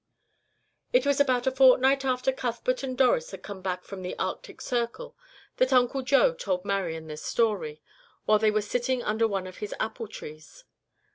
It was about a fortnight after Cuthbert and Doris had come back from the Arctic Circle that Uncle Joe told Marian this story, while they were sitting under one of his apple trees.